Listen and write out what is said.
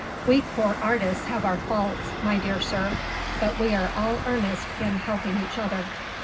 "We poor artists have our faults, my dear sir; but we are all earnest in helping each other.